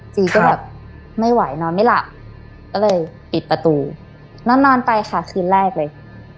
จีก็แบบไม่ไหวนอนไม่หลับก็เลยปิดประตูนอนไปค่ะคืนแรกเลย